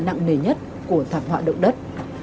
nặng nề nhất của thảm họa đậu đất